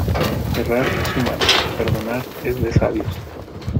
Errar es humano, perdonar es de sabios.